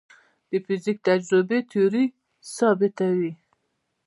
د فزیک تجربې تیوري ثابتوي.